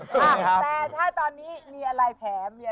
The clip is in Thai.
แต่ถ้าตอนนี้มีอะไรแถม